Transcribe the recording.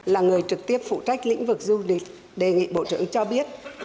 là người trực tiếp phụ trách lĩnh vực du lịch đề nghị bộ trưởng cho biết